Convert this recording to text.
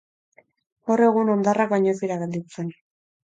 Gaur egun hondarrak baino ez dira gelditzen.